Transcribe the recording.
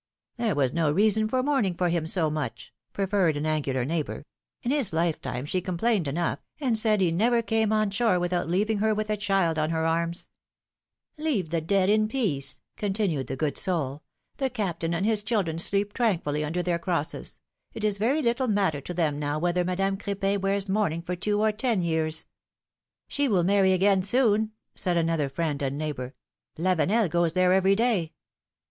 There was no reason for mourning for him so much," proffered an angular neighbor. ^'In his lifetime she com plained enough, and said he never came on shore without leaving her with a child on her arms !" Leave the dead in peace," continued the good soul ; the Captain and his children sleep tranquilly under their 36 philom^:ne's markiages. crosses; it is very little matter to them now whether Madame Cr^pin wears mourning for two or ten years ! She will marry again soon/' said another friend and neighbor ; Lavenel goes there every day."